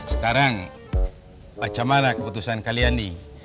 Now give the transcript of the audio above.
sekarang bagaimana keputusan kalian ini